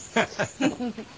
フフフ。